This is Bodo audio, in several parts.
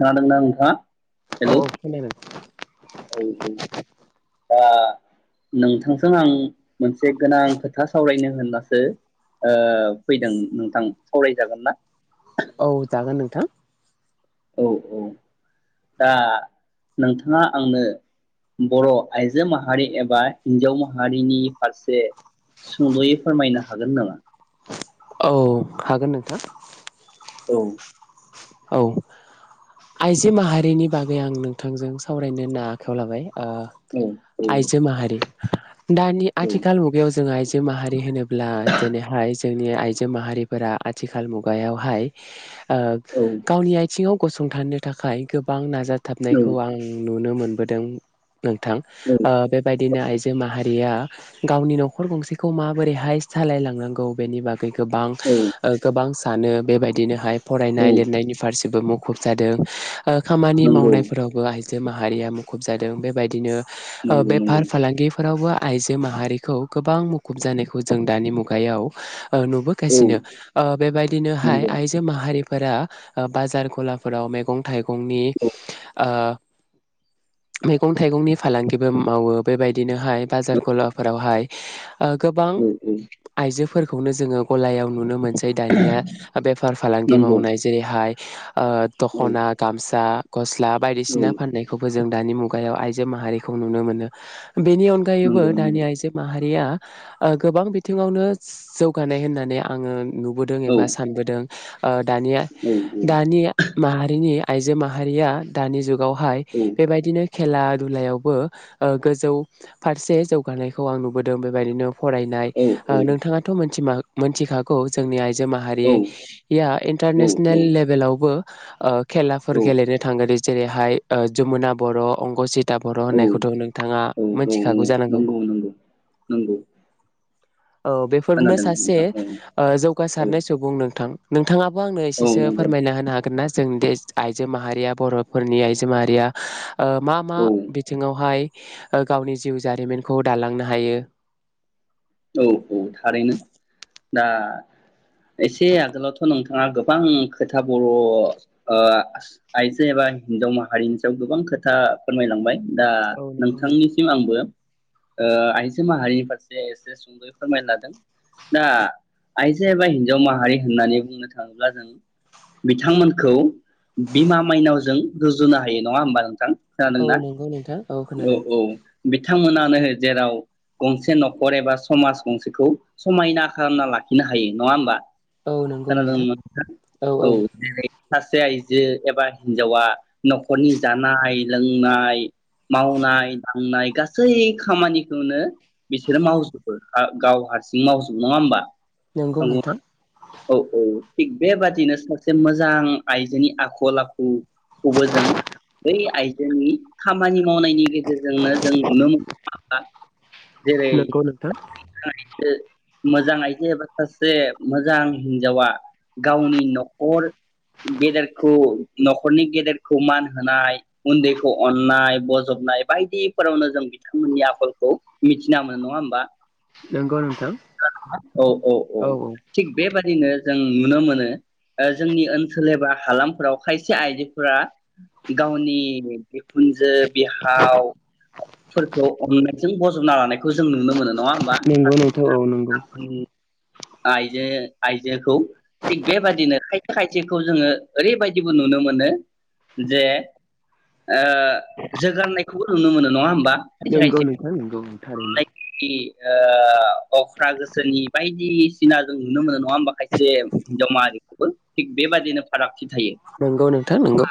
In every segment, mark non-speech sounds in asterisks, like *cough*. खोनादोंना नोंथाङा? औ हेलौ खोनादों औ औ ओ नोंथांजों आं मोनसे गोनां खोथा सावरायनो होननासो ओ फैदों नोंथां सावरायजागोन ना? औ जागोन नोंथां। औ औ दा नोंथाङा आंनो बर' आइजो माहारि एबा हिन्जाव माहारिनि फारसे सुंद'यै फोरमायनो हागोन नामा? औ हागोन नोंथां। औ औ आइजो माहारिनि बागै आं नोंथांजों सावरायनो होनना आखायाव लाबाय। ओ औ औ आइजो माहारि दानि औ आथिखाल मुगायाव जों आइ माहारि होनो ब्ला जेनेहाय जोंनि आइजो माहारिफोरा आथिखाल मुगायावहाय औ ओ आइथिङाव गसंथानो थाखाय गोबां नाजा औ थाबनायखौ आं नुनो मो मोनबोदों। नोंथां औ ओ बेबायदिनो आइजो माहारिया गावनि न'खर गंसेखौ माबोरैहाय सालायलांनांगौ बेनि बागै गोबां औ गोबां सानो बेबायदिनोहाय फरायनाय औ लिरनायनि जेबो मुखुब जादों। खामानि नंगौ मावनायफोरावबो आ जे माहारिया मुखुब जादों बेबायदिनो नंगौ नंगौ बेफार फालांगिफोरावबो आइजो माहारिखौ गोबां मुखुब जानायखौ जों दानि मुगायाव औ नुबोगासिनो बेबायदिनोहाय नंगौ आइजो माहारि फोरा बाजार गलाफोराव मैगं थाइगं फुंनि औ ओ मैगं थाइगंनि फालांगिबो मावो बेबायदिनोहाय बाजार गलाफोरावहाय ओ गोबां औ औ आइजो फोरखौनो जोङो गलायाव नुनो मोनो जै दानिया बेफार फालांगि नंगौ मावनाय जेरै बाइ ओ औ दख'ना गामसा गस्ला औ बायदिसिना फाननायखौबो जों दानि मुगायाव आइजो माहारिखौ नुनो मोनो बेनि अनगायैबो नंगौ नंगौ दानि आइजो माहारिया ओ गोबां बिथिङावनो जौगानाय होननानै आङो नुबोदों औ एबा सानबोदों ओ दानि औ दानिया माहारिनि आइजो माहारिया दानि जुगा वहाय बेबायदिनो खेला दुलायावबो गोजौ फारसे जौगानायखौ आं नुबोदों बेबायदिनो फरायनाय औ नोंथाङाथ' मोनथि मा मिथिखागौ जोंनि आइ औ माहारिया औ इन्टारनेसे नेल लेभेलावबो ओ औ खेलाफोर गेलेनो थांङोदि जेरैहाय जमुना बर' अंग'जि औ औ औ औ जानांगौ। नंगौ नंगौ नंगौ । औ बेफोरनो सासे ओ औ जौगासारनाय सुबुं नोंथां । थाङाबो आंनो औ एसे सो नंगौ फोरमायना होनो हागोन ना? जों दे आइजो माहारिया बर'फोरनि आइजो माहारिया ओ मा मा औ बिथिङावहाय गावनि जिउ जारिमिनखौ दालांनो हायो । औ औ थारैनो दा एसे आगोलावथ' नोंथाङा गोबां खोथा बर' ओ आइजो एबा हिनजाव माहारिनि सायाव गोबां खोथा फोरमायलांबाय । दा औ नंगौ नोंथां नोंथांनिसिम आंबो ओ आयजो माहारिनि फारसे सुंद'यै फोरमाय लादों दा आइजो एबा हिनजाव माहारि होननानै बुंनो थाङोब्ला जों बिथांमोनखौ बिमा माइनावजों रुजुनो हायो नङा होमबा नोंथां औ खोनादोंना नंगौ नोंथां औ खोनादों औ । बिथांमोनानो जेराव गंसे न'खर एबा समाज गंसेखौ समायना खालामना लाखिनो हायो नङा होमबा औ नंगौ खोनादों नोंथां औ । सासे आइजो एबा हिनजावा न'खरनि जानाय लोंनाय मावनाय दांनाय गासै खामानिखौनो बिसोरो मावजोबो । गाव हारसिं मावजोब नङा होमबा । नंगौ ना औ औ । थिग बेबादिनो सासे मोजां आइजोनि आखल आखुखौबो जों बै आइजोनि खामानि मावनायनि गेजेरजोंनो जों नुनो मोन जेरै थां मोजां आइजो एबा सासे मोजां हिनजावा गावनि न'खर गेदेरखौ न'खरनि गेदेरखौ मान होनाय उन्दैखौ अननाय बजबनाय बायदिफोरावनो जों बिथांमोननि आखलखौ मिथिना मोनो नङा होमबा? नंगौ नोंथां औ औ औ थिग बेबादिनो जों नुनो मोनो जोंनि ओनसोल एबा हालामफोराव खायसे आइजोफोरा गावनि बिखुनजो बिहावफोरखौ अननाय जों बजबना लानायखौ जों नुनो मोनो । नङा ओमबा नंगौ सासे नोंथां मोजां औ नंगौ आखुनि आइजो आइजोखौ थिग बेबादिनो खायसे खायसेखौ जोङो ओरैबायदिबो नुनो मोनो जे ओ जोगारनायखौबो नुनो मोनो नङा होमबा । नंगौ नोंथां नंगौ थारैनो । ओ अख्रा गोसोनि बायदिसिना जों नुनो मोनो नङा होमबा खायसे हिनजाव माहारिखौबो थिग बेबादिनो फाराग नंगौ नोंथां नंगौ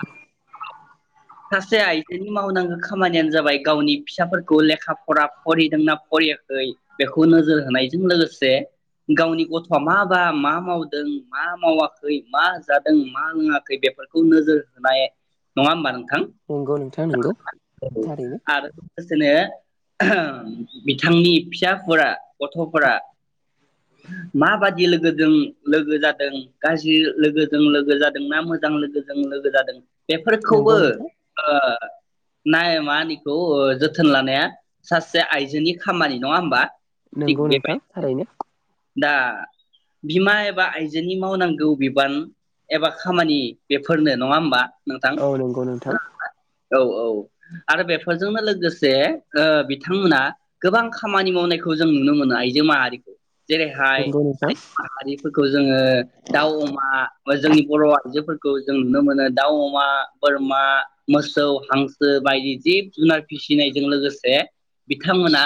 सासे आइजोनि मावनांगौ खामानियानो जाबाय गावनि फिसाफोरखौ लेखा फरा फरायदोंना फरायाखै बेखौ नोजोर होनायजों लोगोसे गावनि गथ'आ माबा मा मावदों मा मावाखै मा जादों मा रोङाखै बेफोरखौ नोजोर होनाय नङा होमबा नोंथां नंगौ नोंथाङा नंगौ थारैनो आरो लोगोसेनो बिथांनि फिसाफोरा गथ'फोरा मा बादि लोगो लोगोजों लोगो जादों गाज्रि लोगोजों लोगो जादों ना मोजां लोगोजों लोगो जादों बेफोरखौबो नंगौ नोंथां ओ नाय मानिखौ जोथोन लानाया सासे आइजोनि खामानि नङा होनबा? नंगौ नोंथां थारैनो दा बिमा एबा आइजोनि मावनांगौ बिबान एबा खामानि बेफोरनो नङा होमबा? नोंथां औ नंगौ नोंथां औ औ आरो बेफोरजोंनो लोगोसे ओ बिथांमोना गोबां खामानि मावनायखौ जों नुनो मोनो आइजो माहारिखौ जेरैहाय नंगौ नोंथां आइजो माहारिफोरखौ जोङो दाउ अमा जोंनि बर' आइजोफोरखौ जों नुनो मोनो दाउ अमा बोरमा मोसौ हां सो बायदि जिब जुनार फिसिनायजों लोगोसे बिथांमोना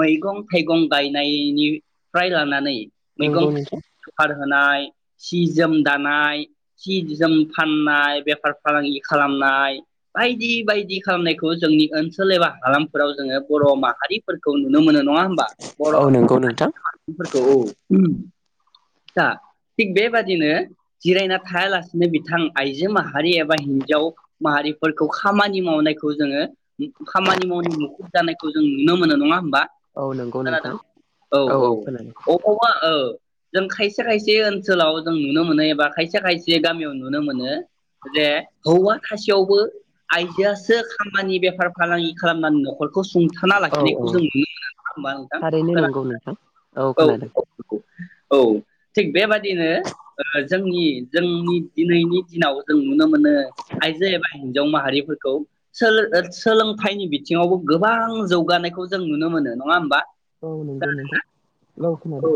मैगं थाइगं गायनायनिफ्राय लानानै नंगौ मैगं नोंथां आरो *unintelligible* सि जोम दानाय सि जोम फाननाय बेफार फालांगि खालामनाय बायदि बायदि खालामनायखौ जोंनि ओनसोल एबा हालामफोराव जोङो बर' माहारिफोरखौ नुनो मोनो नङा होमबा औ नंगौ नोंथां बर'फोरखौ औ दा थिग बेबादिनो जिरायना थायालासेनो बिथां आइजो माहारि एबा हिनजाव माहारिफोरखौ खामानि मावनायखौ जोङो खामानि मावनाय मुखुब जानायखौ जों नुनो मोनो नङा होमबा औ नंगौ नोंथां औ औ खोनादों *unintelligible* जों खायसे खायसे ओनसोलाव जों नुनो मोनो एबा खायसे खायसे गामियाव नुनो मोनो जे हौवा थासेयावबो आइजोआसो खामानि बेफार फालांगि खालामनानै न'खर खौ सुंथाना औ लाखिनाय जों औ नुनो मोनो नङा होमबा नोंथां थारैनो नंगौ नोंथां खोनादोंना खोनादों औ औ औ थिग बेबादिनो ओ जोंनि जोंनि दिनैनि दिनाव जों नुनो मोनो आइजो एबा हिनजाव माहारिफोरखौ सोल ओ सोलोंथाइनि बिथिङावबो गोबां जौगानायखौ जों नुनो मोनो नङा होमबा? औ नंगौ नंगौ *unintelligible* औ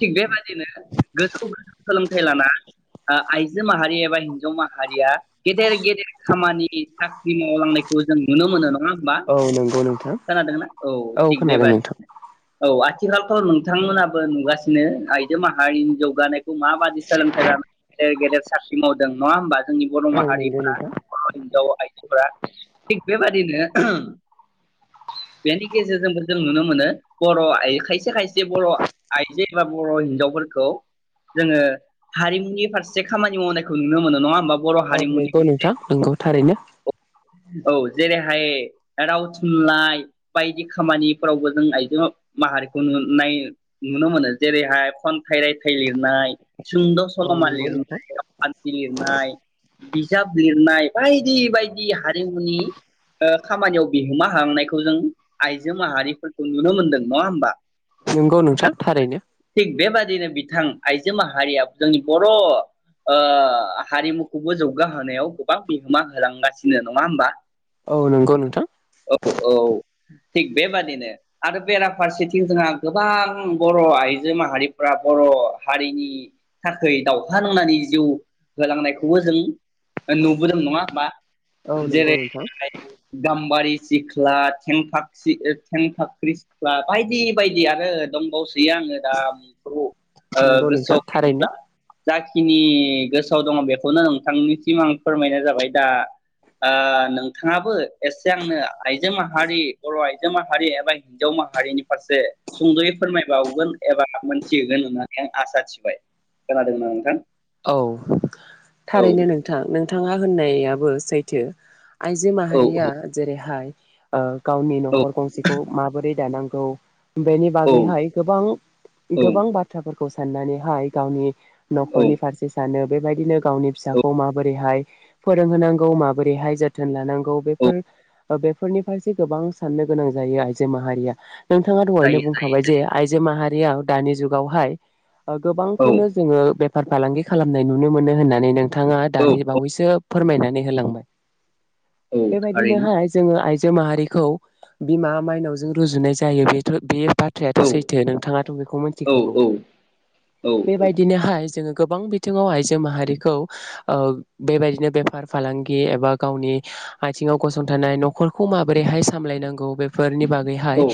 थिग बेबादिनो *unintelligible* सोलोंथाइ लाना आ आइजो माहारि एबा हिनजाव माहारिया गेदेर गेदेर खामानिनि साख्रि मावलांनायखौ जों नुनो मोनो न ङा होमबा औ नंगौ नोंथां खोनादोंना औ थिक खोनादों बेबादि नोंथां औ आथि *inaudible* नोंथांमोनाबो नुगासिनो आइजो माहारिनि जौगानाय *unintelligible* माबादि सोलोंथाइ *inaudible* गेदेर साख्रि मावदों नङा होमबा जोंनि बर' औ नंगौ नोंथां माहारिफोरा *inaudible* थिक बैबादिनो बेनि गेजेरजोंबो जों नुनो मोनो बर' *unintelligible* खायसे खायसे बर' आइजो एबा बर' हिनजावफोरखौ जोङो हारिमुनि फारसे खामानि मावनायखौ नुनो मोनो नङा होमबा बर' औ हारिमुनि नंगौ नोंथां नंगौ थारैनो। औ जेरैहाय राव थुनलाइ बायदि खामानिफोरावबो जों आइजो माहारि उन उन नाय नुनो मोनो जेरैहाय फन थाइ रायथाइ लिरनाय सुंद' औ सल'मा नंगौ नोंथां लिरनाय रावखान्थि लिरनाय बायदि बायदि हारिमुनि ओ खामानियाव बिहोमा होलांनायखौ जों आइजो माहारिखौ नुनो मोनदों नंआहोमबा? नंगौ नोंथां थारैनो। दिनो बिथां आइजो माहारिया जोंनि बर ओ हारिमुखौबो जौगा होनायाव गोबां बिहोमा होलांगासिनो नंआहोमबा? औ नंगौ नोंथां। थिग बेबादिनो आरो बेराफारसेथिं किनतुना गोबां बर आइजो माहारिफोरा बर हारिनि थाखै दावहा नांनानै जिउ होलांनायखौबो जों नुबोदों नंआहोमबा? औ नंगौ जेरै नोंथां गाम्बारि सिख्ला थेंनफाख्रि थेंनफाख्रि सिख्ला बाय दि बायदि आरो दंबावो सो बि आङो दा बेफोरखौ ओ नंगौ नोंथां गोसोआव थारैनो गैला। जायखिनि गोसोआव फारसे सुंद'यै फोरमायबावगोन एबा हामोनथि होगोन होननानै आं आसा सिबाय। खोनादों ना नोंथां? औ औ थारैनो नोंथां नों नोंथाङा होननायाबो सैथो। आइजो औ माहारिया जेरैहाय आ गावनि औ नखर गंसेखौ माबोरै दानांगौ बेनि औ बागैहाय गोबां गोबां बाथ्राफोरखौ साननानै हाय गावनि औ न'खरनि सानो बेबायदिनो गावनि औ फिसाखौ माबोरैहाय फोरोंहोनांगौ माबोरैहाय जोथोन लानां औ बेफोर ओ बेफोरनि फारसे गोबां साननो गोनां जायो आइजो माहारिया नोंथाङा दहायनो जायो बुंखाबाय जे आइजो माहा बैयाव दानि जुगावहाय ओ औ गोबांखौनो जोङो बेफ फालांगि खालामनाय नुनो मोनो होननानै नों बिथाङा औ दानि औ बावैसो फोरमायनानै होलांबाय औ थारैनो बेबायदिनोहाय जोङो आइ आइजो माहारिखौ बिमा माइनावजों रुजुनाय जायो बेथ' बे बाथ्रायाथ' औ सैथो नोंथाङाथ' बेखौ औ मिथिखागौ औ औ औ बेबायदिनोहाय जोङो गोबां बिथिङाव आइजो माहारिखौ ओ बेबायदिनो बेफार फालांगि एबा गावनि आथिङाव गसंथानाय न'खरखौ माबोरैहाय सामलायनांगौ *unintelligible* *unintelligible* फोरनि बागैहाय औ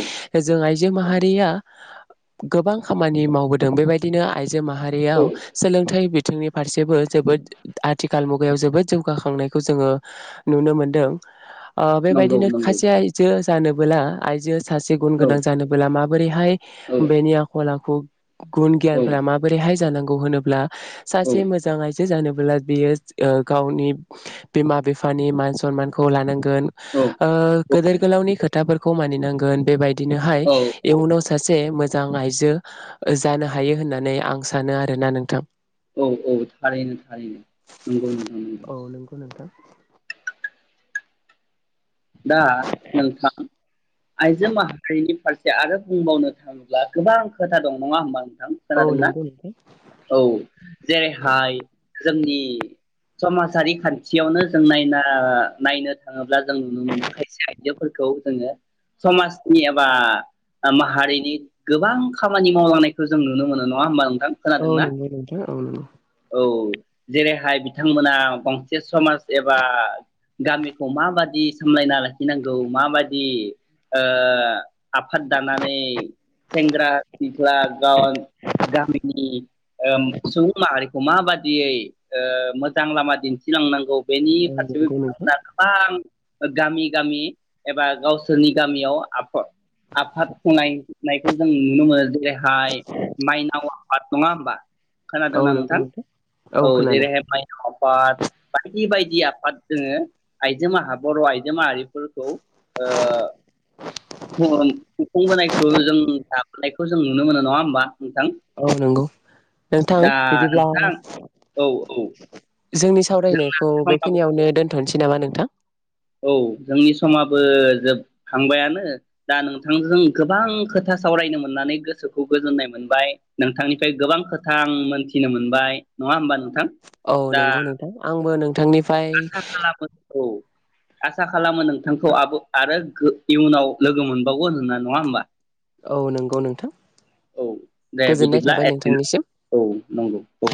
जों आइजो माहारिया गोबां खामानि मावबोदों बेबायदिनो आइ आइजो माहारियाव औ सोलोंथाइ बिथिंनि फारसेबो जोबोद आथिखाल मुगायाव जोबोद जौगाखांनायखौ जोङो नुनो मोनदों। ओ नंगौ बेबायदिनो नंगौ खायसे आयजो जानोबोला आइजो सासे गुन औ गोनां जानबोला माबोरैहाय औ बेनि आखल आखु *unintelligible* गुन औ गियानफोरा माबोरैहाय जानांगौ *unintelligible* होनो *unintelligible* सासे मोजां आइजो आइजो‌ जानोबोला बियो ओ गावनि बिमा बिफानि मान सनमानखौ लानां *unintelligible* औ औ ओ गोदोर गोलावनि खोथाफोरखौ मानिनां *unintelligible* बेबायदि बिनोहाय औ औ इयुनाव सासे *unintelligible* मोजां आयजो जानो हायो होननानै आं सानो आरोना नों *unintelligible* औ औ थारैनो थारैनो नंगौ नोंथां औ। नंगौ नोंथां दा नोंथां आइजो माहारिनि फारसे आरो बुंबावनो थाङोब्ला गोबां खोथा दं नङा होमबा? *unintelligible* औ खोनादोंना नंगौ नोंथां औ जेरैहाय जोंनि समाजारि खान्थियावनो जों नायना नायनो थाङोब्ला जों नुनो मोनो खायसे आइजोफोरखौ जोङो समाजनि एबा माहारिनि गोबां खामानि मावलांनायखौ जों नुनो मोनो नङा होमबा *unintelligible* *unintelligible* औ खोनादोंना नंगौ नोंथां औ नंगौ औ। जेरैहाय बिथांमोना गंसे समाज एबा गामिखौ माबादि सामलायना लाखिनांगौ माबायदि ओ आफाद दानानै सेंग्रा सिख्ला *unintelligible* गामिनि सुबुं माहारिखौ माबादियै मोजां लामा दिन्थिलांनांगौ बेनि औ फारसेबो नंगौ नोंथां बिथांमोना गोबां गामि गामि एबा गावसोरनि गामियाव आफद आफाद खनायनायखौ जों नुनो मोनो जेरैहाय माइनाव आफाद नङा होमबा औ खोनादोंना नंगौ नोंथां औ जेरैहाय माइनाव आफाद बायदि बायदि आफाद जोङो आइजो माहा बर' आइजो माहारिफोरखौ ओ खुं खुंबोनायखौ जों नुनो मोनो नङा होमबा? नोंथां औ नंगौ नोंथां दा बिदिब्ला नोंथां औ औ जोंनि सावरायनायखौ समाबो बेखिनियावनो दोनथ'नोसै नामा नोंथां? औ जोंनि समाबो जोबखांबायानो दा नोंथांजों गोबां खोथा सावरायनो मोननानै गोसोखौ गोजोननाय मोनबाय नोंथांनिफ्राय गोबां खोथा आं मोनथिनो मोनबाय। नङा होमबा नोंथां? औ दा नंगौ नोंथां आंबो नोंथांनिफाय औ आसा खालामो नोंथांखौ आबो आरो इयुनाव लोगो मोनबावगोन होनना नङा होमबा? औ नंगौ नोंथां औ दे गोजोननाय बिदिब्ला थाबाय नोंथांनिसिम। औ नंगौ औ